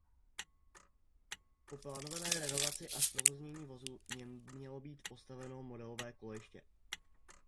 Po plánované renovaci a zprovoznění vozu v něm mělo být postaveno modelové kolejiště.